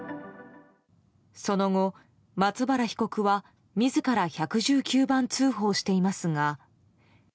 その後、松原被告は自ら１１９番通報していますが。